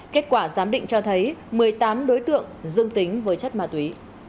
kết quả giám định cho thấy một mươi tám đối tượng dương tính với chất ma túy